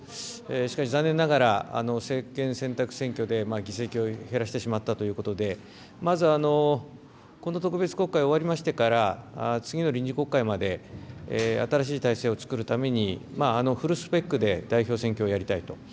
しかし残念ながら、政権選択選挙で議席を減らしてしまったということで、まずこの特別国会終わりましてから、次の臨時国会まで新しい体制をつくるために、フルスペックで代表選挙をやりたいと。